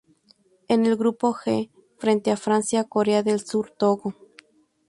En el Grupo G frente a Francia, Corea del Sur Togo.